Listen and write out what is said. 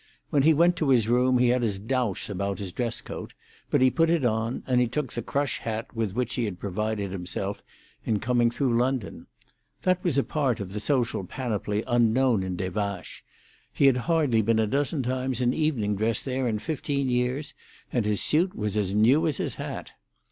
When he went to his room he had his doubts about his dress coat; but he put it on, and he took the crush hat with which he had provided himself in coming through London. That was a part of the social panoply unknown in Des Vaches; he had hardly been a dozen times in evening dress there in fifteen years, and his suit was as new as his hat.